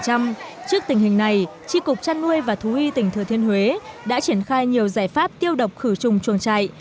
trước tình hình này tri cục chăn nuôi và thú y tỉnh thừa thiên huế đã triển khai nhiều giải pháp tiêu độc khử trùng chuồng trại